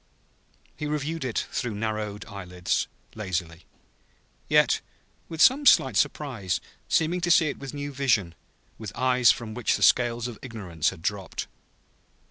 He reviewed it through narrowed eyelids, lazily; yet with some slight surprise, seeming to see it with new vision, with eyes from which scales of ignorance had dropped.